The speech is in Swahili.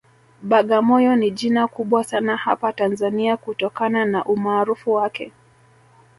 Bagamoyo ni jina kubwa sana hapa Tanzania kutokana na umaarufu wake